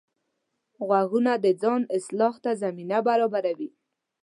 غوږونه د ځان اصلاح ته زمینه برابروي